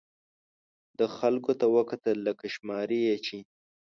ده خلکو ته وکتل، لکه شماري یې چې.